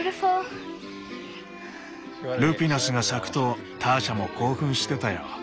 ルピナスが咲くとターシャも興奮してたよ。